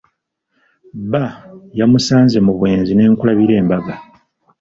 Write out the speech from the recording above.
Bba yamusanze mu bwenzi ne nkulabira embaga.